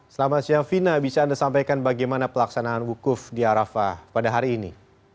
selamat siang vina bisa anda sampaikan bagaimana pelaksanaan wukuf di arafah pada hari ini